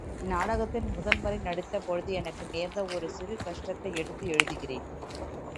இந்நாடகத்தில் முதன் முறை நடித்தபொழுது எனக்கு நேர்ந்த ஒரு சிறு கஷ்டத்தை எடுத்து எழுதுகிறேன்.